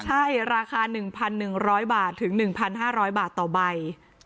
ใช่ราคา๑๑๐๐บาทถึง๑๕๐๐บาทต่อใบ